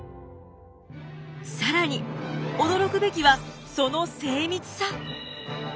更に驚くべきはその精密さ。